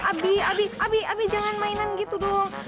abi abi abi jangan mainan gitu dong